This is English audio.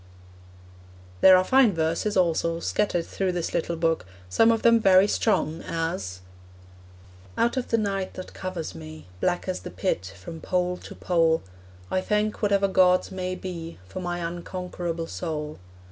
There are fine verses, also, scattered through this little book; some of them very strong, as Out of the night that covers me, Black as the pit from pole to pole, I thank whatever gods may be For my unconquerable soul.